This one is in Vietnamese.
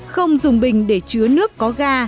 không dùng bình để chứa nước có ga